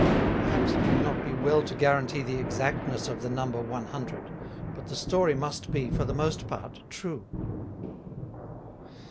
Perhaps it will not be well to guarantee the exactness of the number one hundred; but the story must be for the most part true.